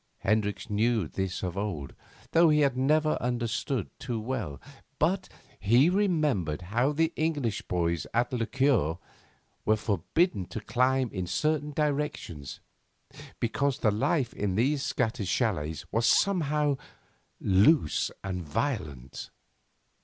Hendricks knew this of old, though he had never understood too well. But he remembered how the English boys at la cure were forbidden to climb in certain directions, because the life in these scattered châlets was somehow loose and violent.